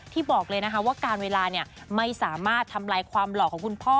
บอกเลยนะคะว่าการเวลาไม่สามารถทำลายความหล่อของคุณพ่อ